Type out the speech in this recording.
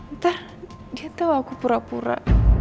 ntar dia tahu aku pura pura